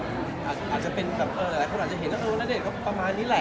อาจจะเป็นแบบหลายบางคนเห็นว่ามันเป็นแบบนี้แหละ